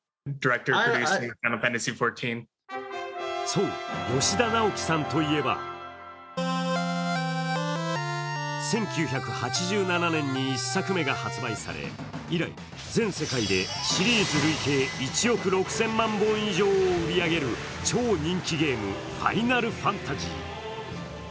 そう、吉田直樹さんといえば１９８７年に１作目が発売され、以来、全世界でシリーズ累計１億６０００万本以上を売り上げる超人気ゲーム「ファイナルファンタジー」。